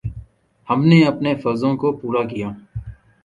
ہم نے اپنے فرضوں کو پورا کیا۔